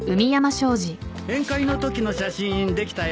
宴会の時の写真できたよ。